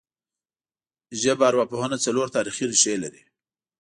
ژبارواپوهنه څلور تاریخي ریښې لري